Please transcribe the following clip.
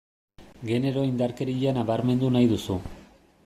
Genero indarkeria nabarmendu nahi duzu.